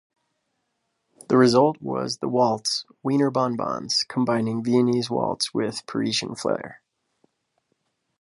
The result was the waltz 'Wiener Bonbons' combining Viennese waltz with Parisian flair.